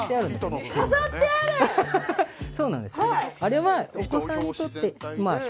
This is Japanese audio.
全部そうなんです